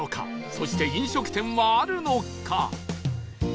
そして飲食店はあるのか？